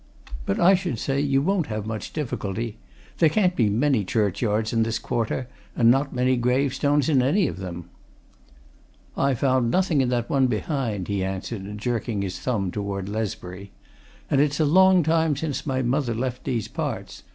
"But I should say you won't have much difficulty. There can't be many churchyards in this quarter, and not many gravestones in any of them." "I found nothing in that one behind," he answered, jerking his thumb towards Lesbury. "And it's a long time since my mother left these parts.